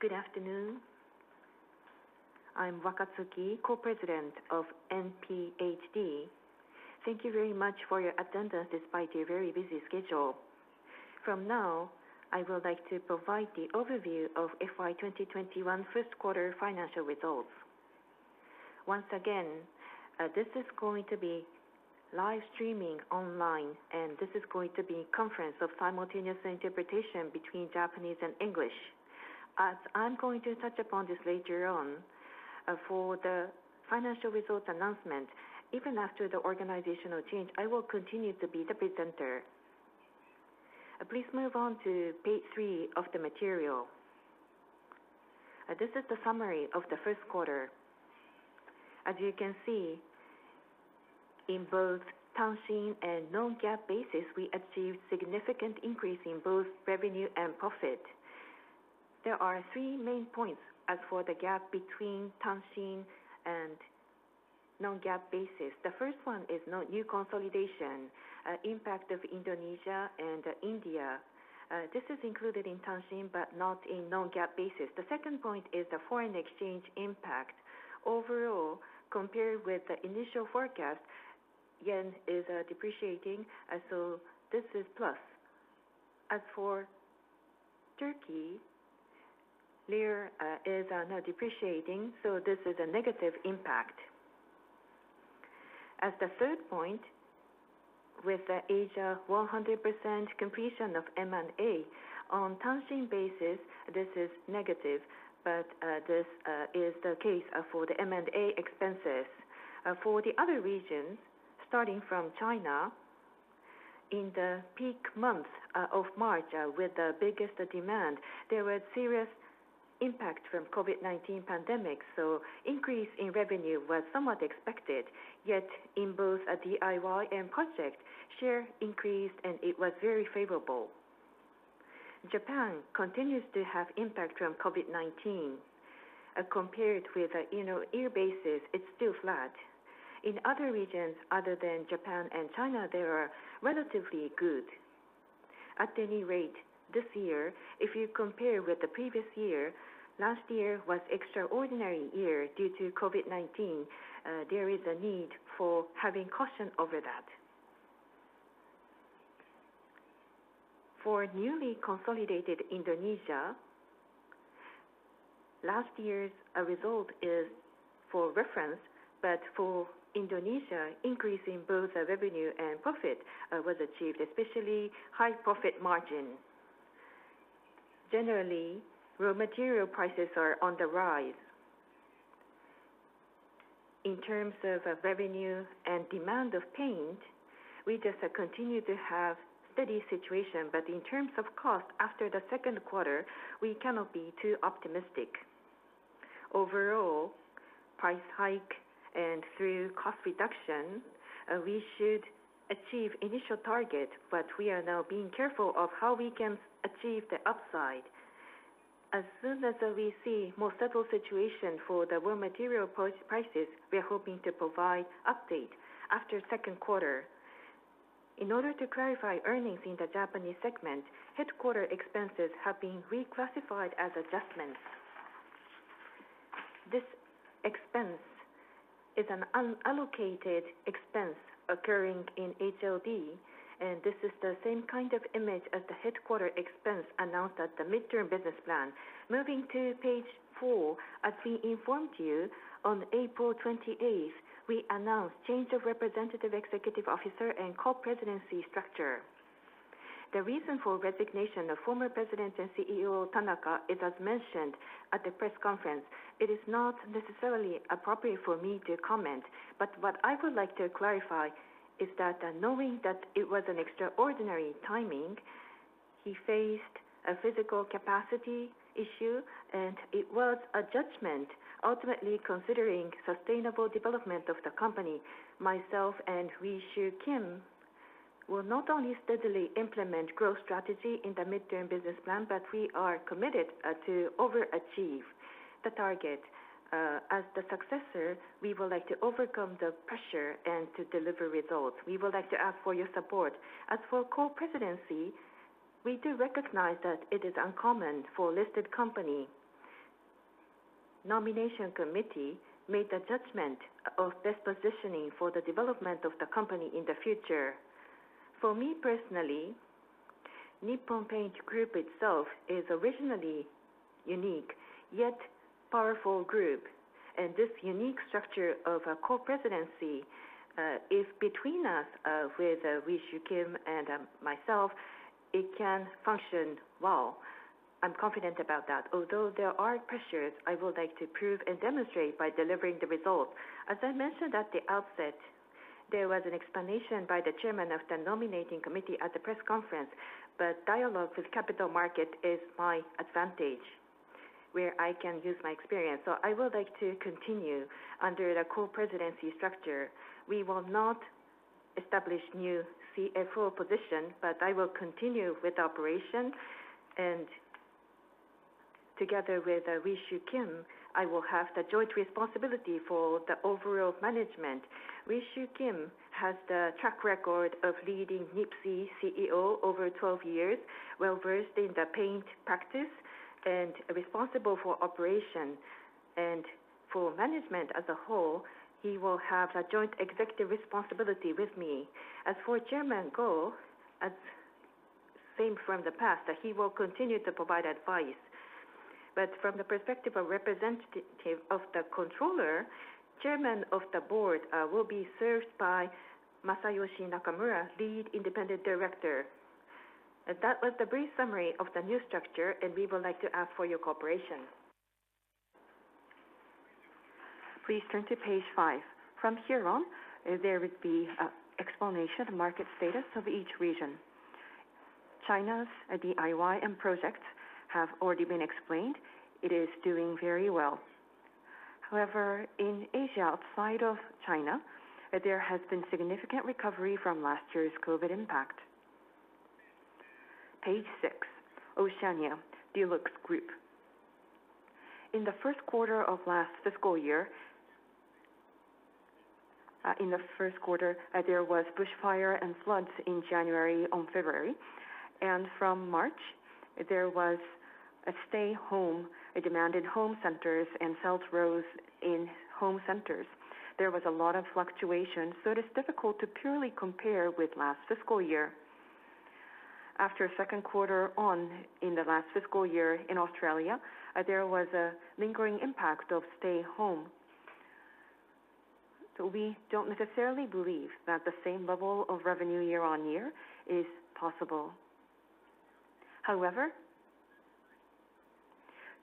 Good afternoon. I'm Wakatsuki, co-president of NPHD. Thank you very much for your attendance despite your very busy schedule. From now, I would like to provide the overview of FY 2021 first quarter financial results. Once again, this is going to be live streaming online, and this is going to be a conference of simultaneous interpretation between Japanese and English. As I'm going to touch upon this later on, for the financial results announcement, even after the organizational change, I will continue to be the presenter. Please move on to page three of the material. This is the summary of the first quarter. As you can see, in both Tanshin and non-GAAP basis, we achieved significant increase in both revenue and profit. There are three main points as for the gap between Tanshin and non-GAAP basis. The first one is new consolidation, impact of Indonesia and India. This is included in Tanshin but not in non-GAAP basis. The second point is the foreign exchange impact. Overall, compared with the initial forecast, yen is depreciating, so this is plus. As for Turkey, lira is now depreciating, so this is a negative impact. As the third point, with Asia 100% completion of M&A, on Tanshin basis, this is negative, but this is the case for the M&A expenses. For the other regions, starting from China, in the peak month of March with the biggest demand, there were serious impacts from COVID-19 pandemic, so increase in revenue was somewhat expected, yet in both do-it-yourself and projects, share increased and it was very favorable. Japan continues to have impact from COVID-19. Compared with year-on-year basis, it's still flat. In other regions other than Japan and China, they are relatively good. At any rate, this year, if you compare with the previous year, last year was extraordinary year due to COVID-19. There is a need for having caution over that. For newly consolidated Indonesia, last year's result is for reference. For Indonesia, increase in both revenue and profit was achieved, especially high profit margin. Generally, raw material prices are on the rise. In terms of revenue and demand of paint, we just continue to have steady situation. In terms of cost, after the second quarter, we cannot be too optimistic. Overall, price hike and through cost reduction, we should achieve initial target. We are now being careful of how we can achieve the upside. As soon as we see more settled situation for the raw material prices, we are hoping to provide update after second quarter. In order to clarify earnings in the Japanese segment, headquarter expenses have been reclassified as adjustments. This expense is an unallocated expense occurring in Head of Business, and this is the same kind of image as the headquarter expense announced at the midterm business plan. Moving to page four, as we informed you, on April 28th, we announced change of Representative Executive Officer and Co-Presidency structure. The reason for resignation of former President and Chief Financial Officer Tanaka is as mentioned at the press conference. What I would like to clarify is that knowing that it was an extraordinary timing, he faced a physical capacity issue, and it was a judgment, ultimately considering sustainable development of the company. Myself and Wee Siew Kim will not only steadily implement growth strategy in the midterm business plan, but we are committed to overachieve the target. As the successors, we would like to overcome the pressure and to deliver results. We would like to ask for your support. As for co-presidency, we do recognize that it is uncommon for listed company. Nomination committee made the judgment of best positioning for the development of the company in the future. For me personally, Nippon Paint Group itself is originally unique, yet powerful group, and this unique structure of a co-presidency is between us with Wee Siew Kim and myself, it can function well. I'm confident about that. Although there are pressures, I would like to prove and demonstrate by delivering the results. As I mentioned at the outset, there was an explanation by the chairman of the nominating committee at the press conference, dialogue with capital market is my advantage where I can use my experience. I would like to continue under the co-presidency structure. We will not establish new Chief Financial Officer position, but I will continue with operations, and together with Wee Siew Kim, I will have the joint responsibility for the overall management. Wee Siew Kim has the track record of leading Nippon Paint South East Asia CEO over 12 years, well-versed in the paint practice. Responsible for operation and for management as a whole, he will have a joint executive responsibility with me. As for Chairman Goh, same from the past, that he will continue to provide advice. From the perspective of representative of the controller, Chairman of the Board will be served by Masayoshi Nakamura, Lead Independent Director. That was the brief summary of the new structure, and we would like to ask for your cooperation. Please turn to page five. From here on, there would be explanation market status of each region. China's DIY and projects have already been explained. It is doing very well. In Asia outside of China, there has been significant recovery from last year's COVID-19 impact. Page six. Oceania DuluxGroup. In the first quarter of last fiscal year, there was bushfire and floods in January and February, and from March, there was a stay-home, a demand in home centers, and sales rose in home centers. There was a lot of fluctuation, it is difficult to purely compare with last fiscal year. After second quarter on in the last fiscal year in Australia, there was a lingering impact of stay-home. We don't necessarily believe that the same level of revenue year-on-year is possible. However,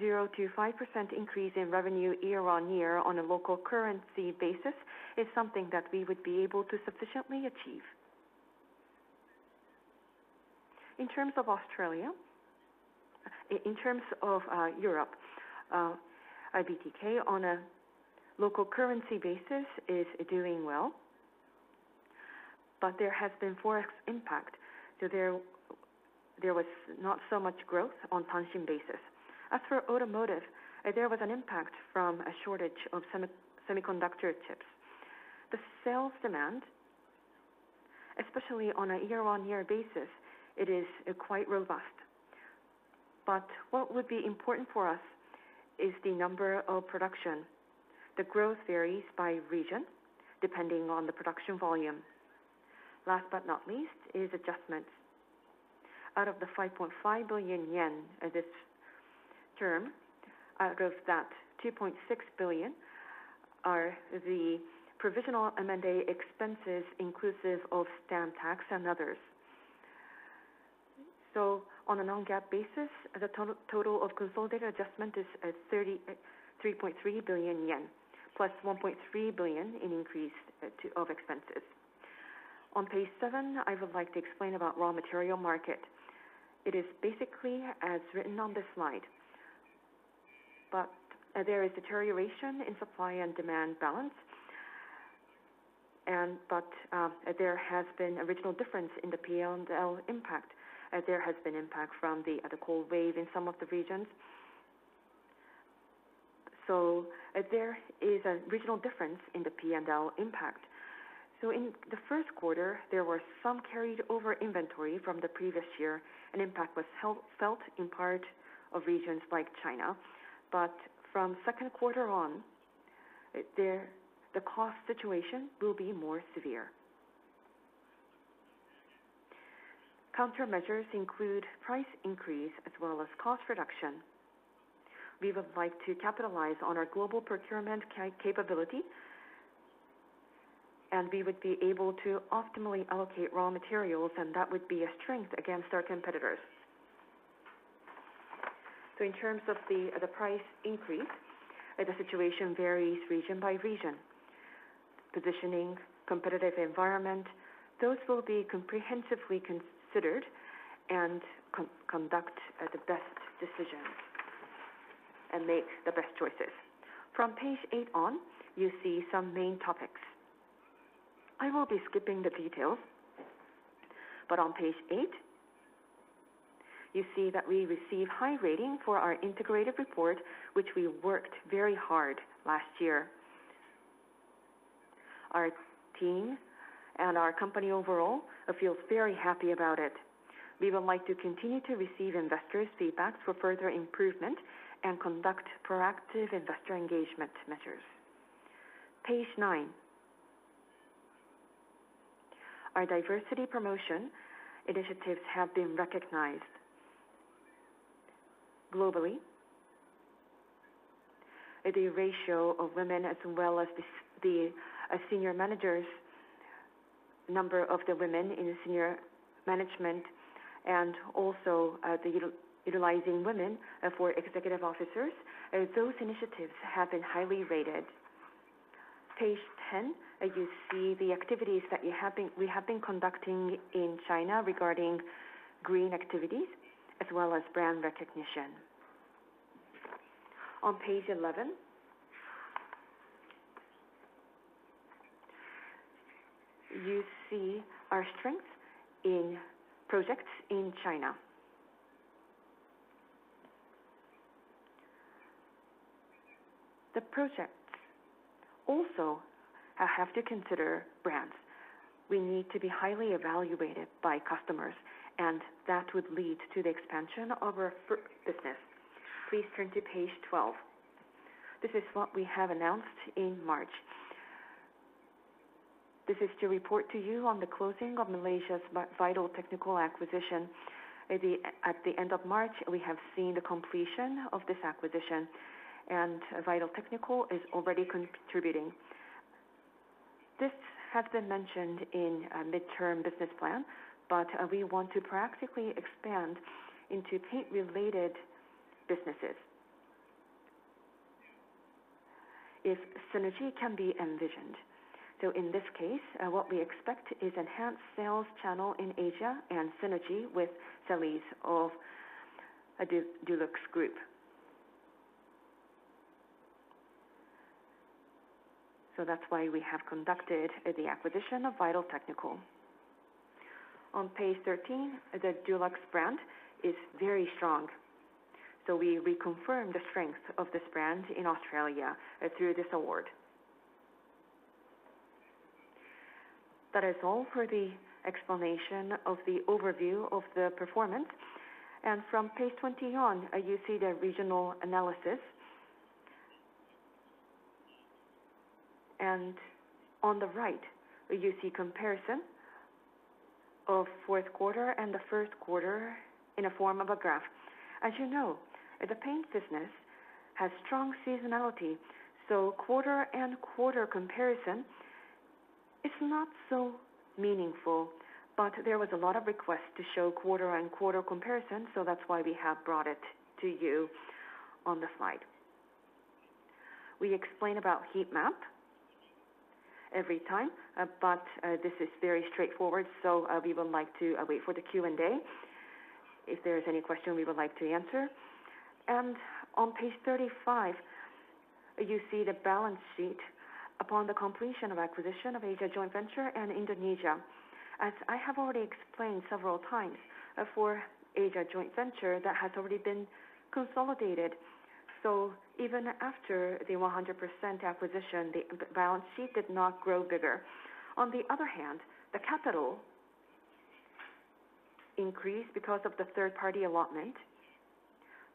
0% to 5% increase in revenue year-on-year on a local currency basis is something that we would be able to sufficiently achieve. In terms of Europe, Betek Boya on a local currency basis is doing well, but there has been forex impact. There was not so much growth on basis. As for automotive, there was an impact from a shortage of semiconductor chips. The sales demand, especially on a year-on-year basis, it is quite robust. What would be important for us is the number of production. The growth varies by region depending on the production volume. Last but not least is adjustments. Out of the 5.5 billion yen this term, of that, 2.6 billion are the provisional M&A expenses inclusive of stamp tax and others. On a non-GAAP basis, the total of consolidated adjustment is 3.3 billion yen, plus 1.3 billion in increase of expenses. On page seven, I would like to explain about raw material market. It is basically as written on the slide, there is deterioration in supply and demand balance. There has been a regional difference in the P&L impact. There has been impact from the cold wave in some of the regions. There is a regional difference in the P&L impact. In the first quarter, there was some carried over inventory from the previous year and impact was felt in part of regions like China. From second quarter on, the cost situation will be more severe. Countermeasures include price increase as well as cost reduction. We would like to capitalize on our global procurement capability, and we would be able to optimally allocate raw materials, and that would be a strength against our competitors. In terms of the price increase, the situation varies region by region. Positioning, competitive environment, those will be comprehensively considered and conduct the best decision and make the best choices. From page eight on, you see some main topics. I will be skipping the details. On page eight, you see that we received high rating for our integrated report, which we worked very hard last year. Our team and our company overall feels very happy about it. We would like to continue to receive investors' feedback for further improvement and conduct proactive investor engagement measures. Page nine. Our diversity promotion initiatives have been recognized globally. The ratio of women as well as the senior managers, number of the women in senior management, and also utilizing women for executive officers, those initiatives have been highly rated. Page 10, you see the activities that we have been conducting in China regarding green activities as well as brand recognition. On page 11, you see our strength in projects in China. The projects. I have to consider brands. We need to be highly evaluated by customers, and that would lead to the expansion of our business. Please turn to page 12. This is what we have announced in March. This is to report to you on the closing of Malaysia's Vital Technical acquisition. At the end of March, we have seen the completion of this acquisition, and Vital Technical is already contributing. This has been mentioned in a mid-term business plan, we want to practically expand into paint-related businesses. If synergy can be envisioned. In this case, what we expect is enhanced sales channel in Asia and synergy with sales of the DuluxGroup. That's why we have conducted the acquisition of Vital Technical. On page 13, the Dulux brand is very strong. We reconfirm the strength of this brand in Australia through this award. That is all for the explanation of the overview of the performance. From page 20 on, you see the regional analysis. On the right, you see comparison of Q4 and Q1 in a form of a graph. As you know, the paints business has strong seasonality, so quarter on quarter comparison is not so meaningful. There was a lot of request to show quarter on quarter comparison, that's why we have brought it to you on the slide. We explain about heat map every time, this is very straightforward, we would like to wait for the Q&A if there's any question we would like to answer. On page 35, you see the balance sheet upon the completion of acquisition of Asia Joint Venture and Indonesia. As I have already explained several times, for Asia Joint Venture that has already been consolidated. Even after the 100% acquisition, the balance sheet did not grow bigger. On the other hand, the capital increased because of the third party allotment.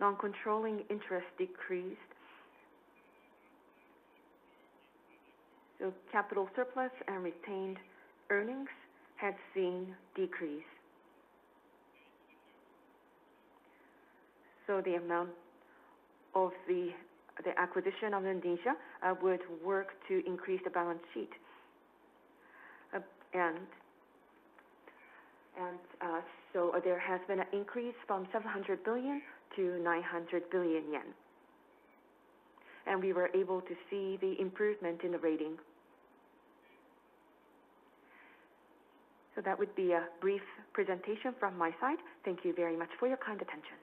Non-controlling interest decreased. Capital surplus and retained earnings had seen decrease. The amount of the acquisition of Indonesia would work to increase the balance sheet. There has been an increase from 700 billion-900 billion yen. We were able to see the improvement in the rating. That would be a brief presentation from my side. Thank you very much for your kind attention.